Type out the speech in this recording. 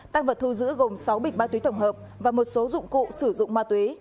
tăng vật thu giữ gồm sáu bịch ma túy tổng hợp và một số dụng cụ sử dụng ma túy